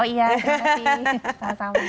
oh iya terima kasih